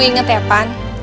kamu inget ya pan